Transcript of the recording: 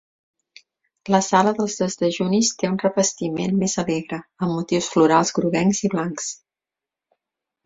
La sala dels desdejunis té un revestiment més alegre, amb motius florals groguencs i blancs.